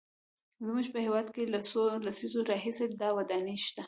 زموږ په هېواد کې له څو لسیزو راهیسې دا ودانۍ شته.